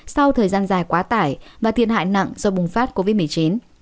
sau thời gian dài quá tải và thiệt hại nặng do bùng phát covid một mươi chín